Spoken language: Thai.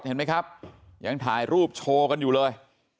เห็นไหมครับยังถ่ายรูปโชว์กันอยู่เลย